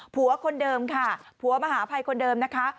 คนเดิมค่ะผัวมหาภัยคนเดิมนะคะ